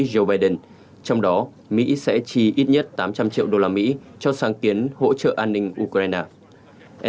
joe biden trong đó mỹ sẽ chi ít nhất tám trăm linh triệu đô la mỹ cho sáng kiến hỗ trợ an ninh ukraine